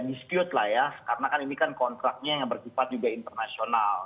dispute lah ya karena kan ini kan kontraknya yang bersifat juga internasional